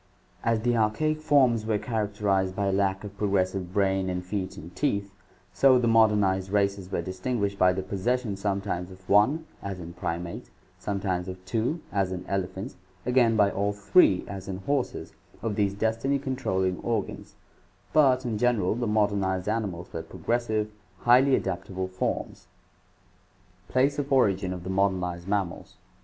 As the archaic forms were characterized by lack of progressive brain and feet and teeth, so the modernized races were distinguished by the possession sometimes of one (primates), sometimes of two (elephants), again by all three (horses) of these destiny controlling organs, but in general the modernized animals were progressive, highly adaptable forms. Place of Origin of the Modernized Mammals.